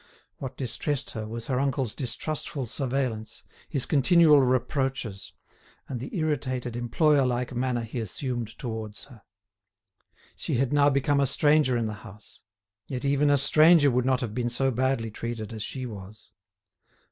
What distressed her was her uncle's distrustful surveillance, his continual reproaches, and the irritated employer like manner he assumed towards her. She had now become a stranger in the house. Yet even a stranger would not have been so badly treated as she was.